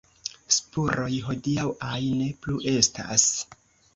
Spuroj hodiaŭaj ne plu estas.